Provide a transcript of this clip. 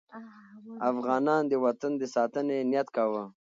افغانان د وطن د ساتنې نیت کاوه.